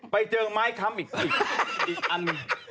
ไปเจอไหม้คาดอีกอัน